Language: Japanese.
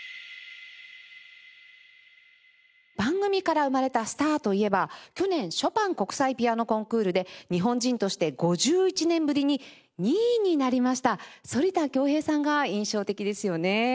番組から生まれたスターといえば去年ショパン国際ピアノコンクールで日本人として５１年ぶりに２位になりました反田恭平さんが印象的ですよね。